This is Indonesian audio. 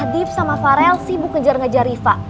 nadib sama farel sibuk ngejar ngejar riva